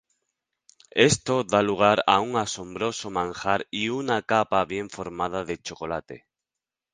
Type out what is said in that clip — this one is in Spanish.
Esto da lugar a un asombroso manjar y una capa bien formada de chocolate.